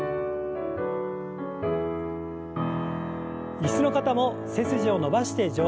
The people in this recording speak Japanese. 椅子の方も背筋を伸ばして上体を前に。